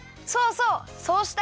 そうそう！